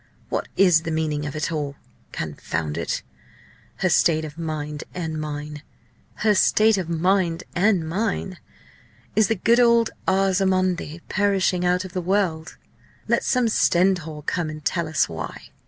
What is the meaning of it all confound it! her state of mind and mine? Is the good old ars amandi perishing out of the world? Let some Stendhal come and tell us why!"